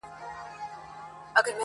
زما د سرڅښتنه اوس خپه سم که خوشحاله سم.